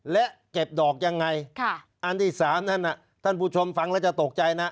และเก็บดอกยังไงอันที่๓ท่านผู้ชมฟังแล้วจะตกใจนะ